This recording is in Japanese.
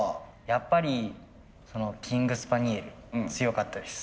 やっぱりキングスパニエル強かったです。